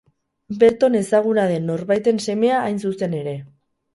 Berton ezaguna den norbaiten semea hain zuzen ere.